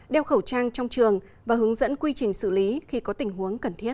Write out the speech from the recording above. đeo khẩu trang trong trường và hướng dẫn quy trình xử lý khi có tình huống cần thiết